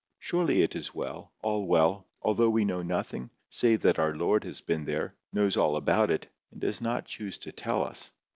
Surely it is well, all well, although we know nothing, save that our Lord has been there, knows all about it, and does not choose to tell us.